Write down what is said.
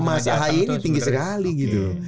mas ahaye ini tinggi sekali gitu